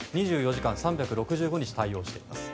２４時間３６５日対応しています。